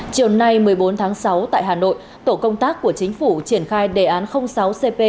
chiều nay một mươi bốn tháng sáu tại hà nội tổ công tác của chính phủ triển khai đề án sáu cp